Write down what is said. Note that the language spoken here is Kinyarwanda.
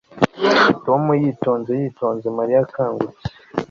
Tom yitonze yitonze Mariya akangutse